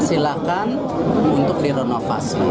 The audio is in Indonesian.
silakan untuk direnovasi